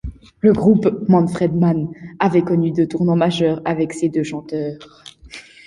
Le groupe Manfred Mann avait connu deux tournants majeurs avec ses deux chanteurs.